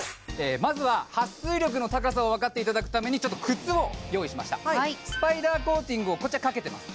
まずは撥水力の高さを分かっていただくためにちょっと靴を用意しましたスパイダーコーティングをこっちはかけてます